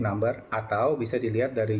number atau bisa dilihat dari